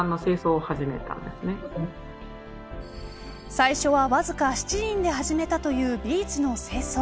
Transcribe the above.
最初はわずか７人で始めたというビーチの清掃。